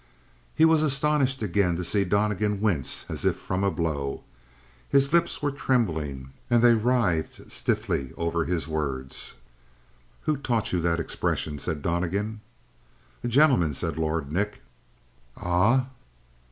He was astonished again to see Donnegan wince as if from a blow. His lips were trembling and they writhed stiffly over his words. "Who taught you that expression?" said Donnegan. "A gentleman," said Lord Nick. "Ah?"